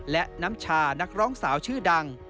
และน้ำชานักร้องสาวชื่อดัง